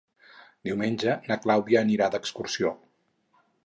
Diumenge na Clàudia anirà d'excursió.